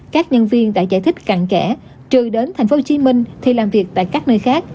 các nhân viên đã giải thích cạn kẻ trường đến tp hcm thì làm việc tại các nơi khác